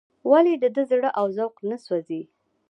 ولې د ده زړه او ذوق نه سوزي.